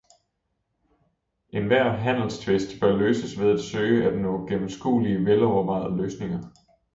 Enhver handelstvist bør løses ved at søge at nå gennemskuelige, velovervejede løsninger.